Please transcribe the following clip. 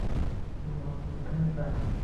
رو آوردن بخت